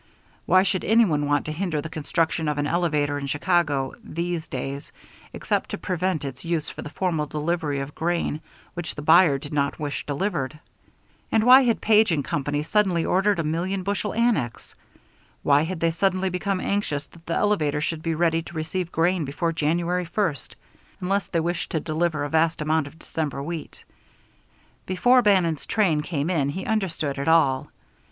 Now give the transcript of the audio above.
Why should any one want to hinder the construction of an elevator in Chicago "these days" except to prevent its use for the formal delivery of grain which the buyer did not wish delivered? And why had Page & Company suddenly ordered a million bushel annex? Why had they suddenly become anxious that the elevator should be ready to receive grain before January first, unless they wished to deliver a vast amount of December wheat? Before Bannon's train came in he understood it all.